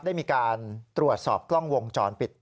ได้มีการตรวจสอบกล้องวงจรปิด